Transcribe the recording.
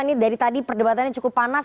ini dari tadi perdebatannya cukup panas